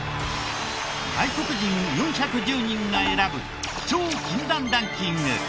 外国人４１０人が選ぶ超禁断ランキング。